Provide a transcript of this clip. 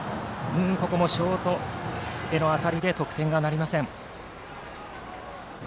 ここもショートへの当たりで得点はなりません。